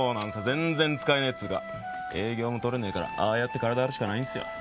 全然使えないっていうか営業もとれねぇからああやって体張るしかないんすよ。